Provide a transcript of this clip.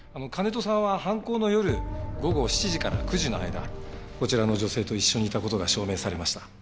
金戸さんは犯行の夜午後７時から９時の間こちらの女性と一緒にいた事が証明されました。